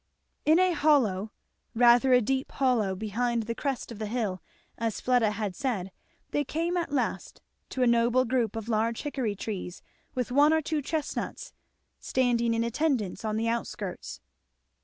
In a hollow, rather a deep hollow, behind the crest of the hill, as Fleda had said, they came at last to a noble group of large hickory trees, with one or two chestnuts standing in attendance on the outskirts.